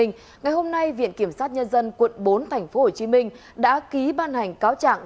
ngày hôm nay viện kiểm sát nhân dân quận bốn tp hcm đã ký ban hành cáo trạng